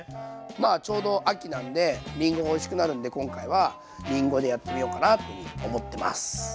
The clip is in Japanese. まあちょうど秋なんでりんごがおいしくなるんで今回はりんごでやってみようかなというふうに思ってます。